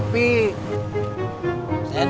saya ga berani